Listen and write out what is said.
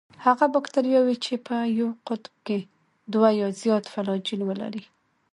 هغه باکتریاوې چې په یو قطب کې دوه یا زیات فلاجیل ولري.